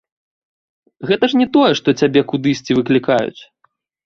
Гэта ж не тое, што цябе кудысьці выклікаюць.